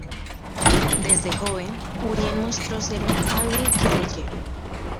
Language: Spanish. Desde joven, Urien mostró ser un hábil guerrillero.